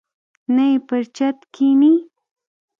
نه یې پر چت کښیني.